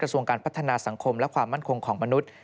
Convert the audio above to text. ส่วนการพัฒนาสังคมและความมั่นคงของมนุษย์